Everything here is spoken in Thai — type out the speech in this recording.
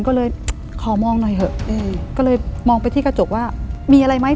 ก็เลยขอมองหน่อยเถอะก็เลยมองไปที่กระจกว่ามีอะไรไหม